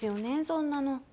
そんなの。